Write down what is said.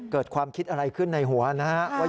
เกิดความคิดอะไรขึ้นในหัวนะครับ